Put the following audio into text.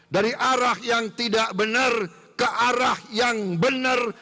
dari arah yang tidak benar ke arah yang benar